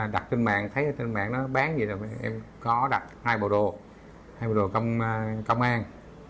đặt trên mạng thấy trên mạng nó bán gì là em có đặt hai bộ đồ hai bộ đồ công an